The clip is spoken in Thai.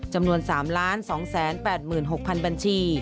จำนวน๓๒๘๖๐๐๐บัญชี